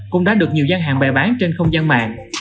cũng đã được nhiều gian hàng bày bán trên không gian mạng